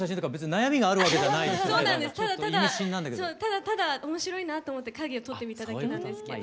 ただただ面白いなと思って影を撮ってみただけなんですけど。